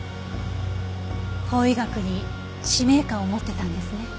法医学に使命感を持っていたんですね。